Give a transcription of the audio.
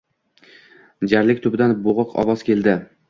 Jarlik tubidan bo‘g‘iq ovoz keldi.